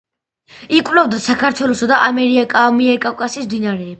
იკვლევდა საქართველოსა და ამიერკავკასიის მდინარეებს.